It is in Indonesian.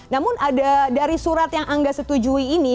namun ada dari surat yang angga setujui ini